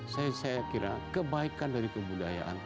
saya kira kebaikan dari kebudayaan